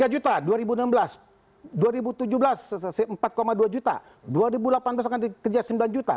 tiga juta dua ribu enam belas dua ribu tujuh belas empat dua juta dua ribu delapan belas akan dikerja sembilan juta